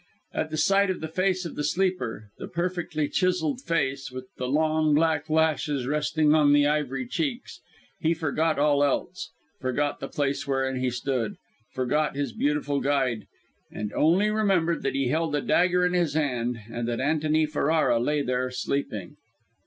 At sight of the face of the sleeper the perfectly chiselled face, with the long black lashes resting on the ivory cheeks he forgot all else, forgot the place wherein he stood, forgot his beautiful guide, and only remembered that he held a dagger in his hand, and that Antony Ferrara lay there, sleeping!